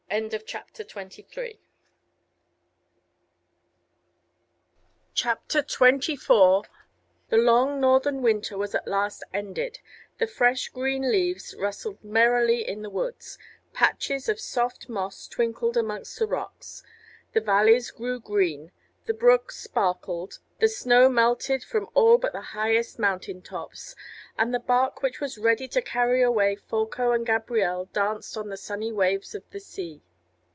CHAPTER 24 The long northern winter was at last ended, the fresh green leaves rustled merrily in the woods, patches of soft moss twinkled amongst the rocks, the valleys grew green, the brooks sparkled, the snow melted from all but the highest mountain tops, and the bark which was ready to carry away Folko and Gabrielle danced on the sunny waves of the sea.